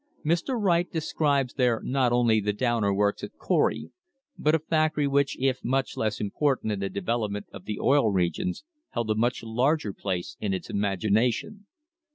Mr. Wright describes there not only the Downer works at Corry, but a factory which if much less important in the development of the Oil Regions held a much larger place in its imagination.